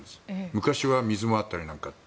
昔は水もあったりなんかして。